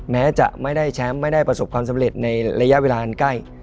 แม้จะไม่ได้แชมป์ไม่ได้ประสบความสำเร็จในระยะเวลาอันใกล้